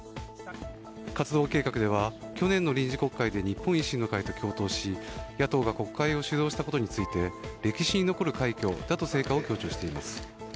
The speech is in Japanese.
活動計画では、去年の臨時国会で日本維新の会と共闘し野党が国会を主導したことについて歴史に残る快挙だと成果を強調しています。